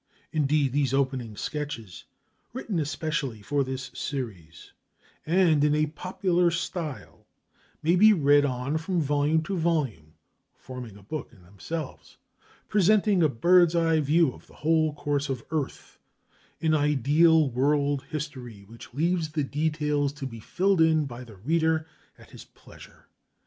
Indeed, these opening sketches, written especially for this series, and in a popular style, may be read on from volume to volume, forming a book in themselves, presenting a bird's eye view of the whole course of earth, an ideal world history which leaves the details to be filled in by the reader at his pleasure.